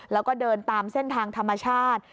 แล้วก็เดินตามเส้นทางธรรมชาติ